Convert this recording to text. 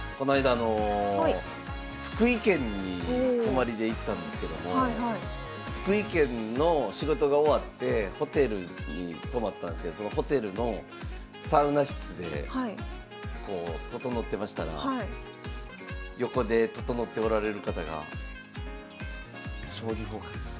あの福井県に泊まりで行ったんですけども福井県の仕事が終わってホテルに泊まったんですけどそのホテルのサウナ室でこう整ってましたら横で整っておられる方が「将棋フォーカス」